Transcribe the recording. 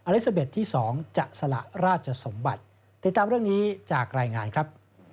ลิซาเบสที่๒จะสละราชสมบัติติดตามเรื่องนี้จากรายงานครับ